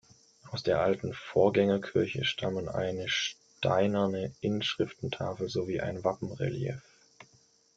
Aus der alten Vorgängerkirche stammen eine steinerne Inschriftentafel sowie ein Wappenrelief.